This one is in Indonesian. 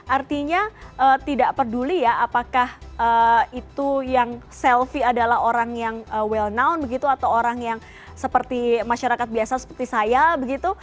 artinya tidak peduli ya apakah itu yang selfie adalah orang yang well known begitu atau orang yang seperti masyarakat biasa seperti saya begitu